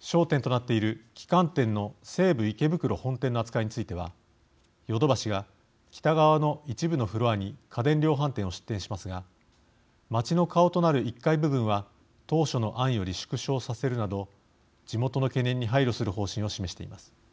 焦点となっている旗艦店の西武池袋本店の扱いについてはヨドバシが北側の一部のフロアに家電量販店を出店しますが街の顔となる１階部分は当初の案より縮小させるなど地元の懸念に配慮する方針を示しています。